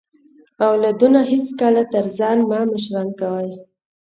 اولادونه هیڅکله تر ځان مه مشران کوئ